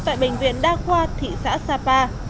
tại bệnh viện đa khoa thị xã sapa